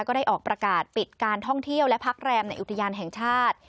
ก็ได้ออกประกาศปิดการท่องเที่ยวและพักแรมในอุทยานแห่งชาติ